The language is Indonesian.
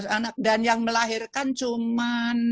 dua belas anak dan yang melahirkan cuma